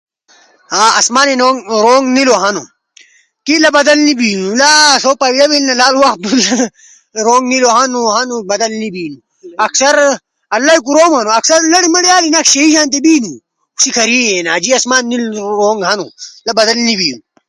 آسمانے رونگ نیلو ہنو، کے لا بدل نی بیلو لا آسو پیدا بیلو سیس در وخا آسمانے رونگ نیلو ہنو، بدل نی بینو۔ اکثر لڑے مڑے آلی نو سئی شیناک شانتی اینو خو آدیئی آسمان نیلو ہنو لا بدل نی بینو۔